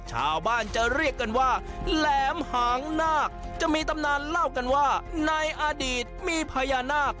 ชาวบ้านจะเรียกกันว่าแหลมหางนาคจะมีตำนานเล่ากันว่าในอดีตมีพญานาค